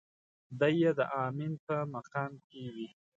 دی يې د امين په مقام کې وي.